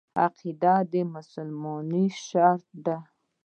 عقیده د مسلمانۍ شرط دی.